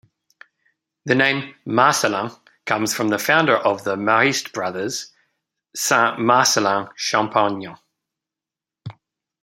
The name Marcellin comes from the founder of the Marist Brothers, Saint Marcellin Champagnat.